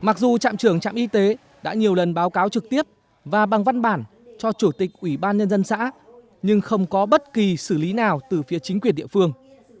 mặc dù trạm trưởng trạm y tế đã nhiều lần báo cáo trực tiếp và bằng văn bản cho chủ tịch ủy ban nhân dân xã nhưng không có bất kỳ xử lý nào từ phía chính quyền địa phương